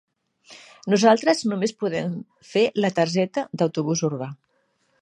Nosaltres només podem fer la targeta d'autobús urbà.